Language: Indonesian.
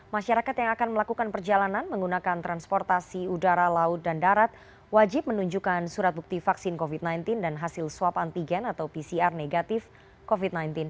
masyarakat yang akan melakukan perjalanan menggunakan transportasi udara laut dan darat wajib menunjukkan surat bukti vaksin covid sembilan belas dan hasil swab antigen atau pcr negatif covid sembilan belas